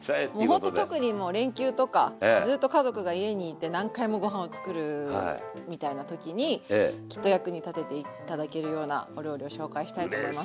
もうほんと特に連休とかずっと家族が家に居て何回もご飯を作るみたいな時にきっと役に立てて頂けるようなお料理を紹介したいと思います。